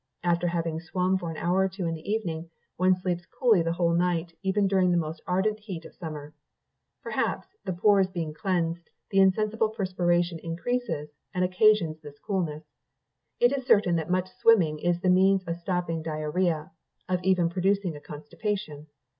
After having swum for an hour or two in the evening one sleeps coolly the whole night, even during the most ardent heat of summer. Perhaps, the pores being cleansed, the insensible perspiration increases, and occasions this coolness. It is certain that much swimming is the means of stopping diarrhoea, and even of producing a constipation.